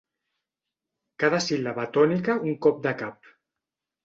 Cada síl·laba tònica un cop de cap.